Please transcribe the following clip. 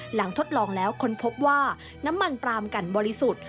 ทดลองแล้วค้นพบว่าน้ำมันปลามกันบริสุทธิ์